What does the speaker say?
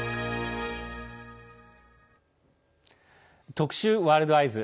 特集「ワールドＥＹＥＳ」。